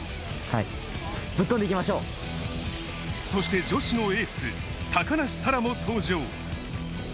そして女子のエース・高梨沙羅も登場。